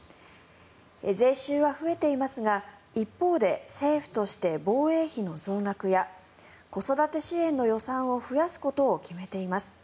税収は増えていますが一方で政府として防衛費の増額や子育て支援の予算を増やすことを決めています。